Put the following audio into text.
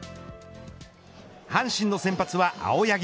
阪神の先発は青柳。